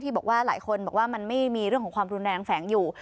บอกว่าหลายคนบอกว่ามันไม่มีเรื่องของความรุนแรงแฝงอยู่